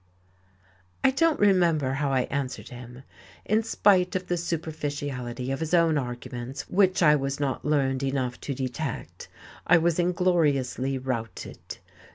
I don't remember how I answered him. In spite of the superficiality of his own arguments, which I was not learned enough to detect, I was ingloriously routed.